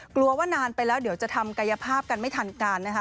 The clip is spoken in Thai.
กลัวว่านานไปแล้วเดี๋ยวจะทำกายภาพกันไม่ทันการนะคะ